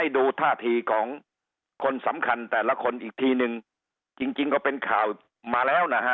ดูท่าทีของคนสำคัญแต่ละคนอีกทีนึงจริงจริงก็เป็นข่าวมาแล้วนะฮะ